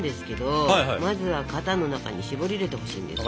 まずは型の中に絞り入れてほしいんですよ。